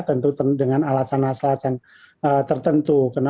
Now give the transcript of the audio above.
tentu dengan alasan alasan tertentu